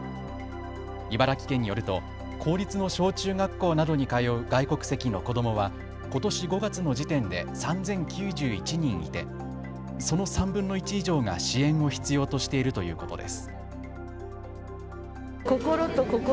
茨城県によると公立の小中学校などに通う外国籍の子どもはことし５月の時点で３０９１人いてその３分の１以上が支援を必要としているということです。